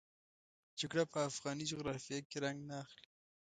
جګړه په افغاني جغرافیه کې رنګ نه اخلي.